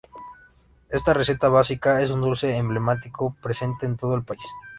Esta receta básica es un dulce emblemático presente en todo el país.